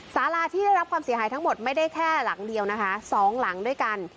สาราที่ได้รับความเสียหายทั้งหมดไม่ได้แค่หลังเดียวนะคะสองหลังด้วยกัน